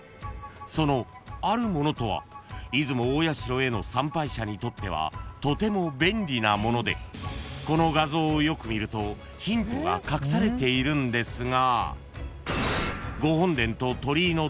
［そのあるものとは出雲大社への参拝者にとってはとても便利なものでこの画像をよく見るとヒントが隠されているんですが］